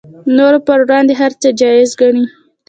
نورو پر وړاندې هر څه جایز ګڼي